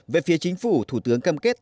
về phía chính phủ thủ tướng cam kết